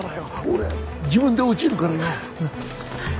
俺自分で落ちるからよなっ。